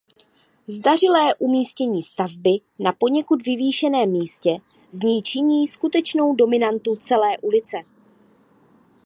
Zdařilé umístění stavby na poněkud vyvýšeném místě z ní činí skutečnou dominantu celé ulice.